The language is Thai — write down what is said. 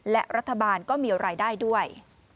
และรัฐบาลก็มีรายได้ด้วย